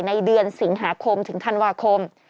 ในเดือนสิงหาคมถึงธันวาคม